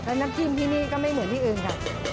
น้ำจิ้มที่นี่ก็ไม่เหมือนที่อื่นค่ะ